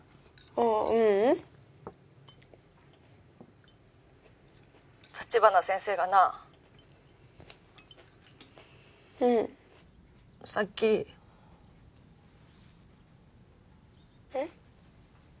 ううん☎立花先生がなうんさっき☎うん？